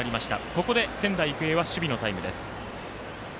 ここで仙台育英は守備のタイムです。